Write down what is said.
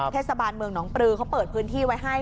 เทศบาลเมืองหนองปลือเขาเปิดพื้นที่ไว้ให้